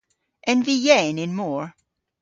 En vy yeyn y'n mor?